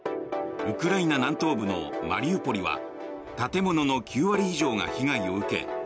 ウクライナ南東部のマリウポリは建物の９割以上が被害を受け